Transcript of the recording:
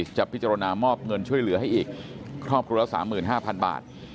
จะพิจารณามอบเงินช่วยเหลือให้อีกครอบครัวละ๓๕๐๐๐บาท